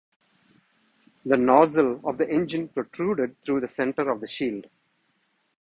The nozzle of the engine protruded through the center of the shield.